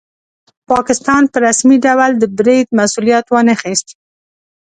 پاکستان په رسمي ډول د برید مسوولیت وانه خیست.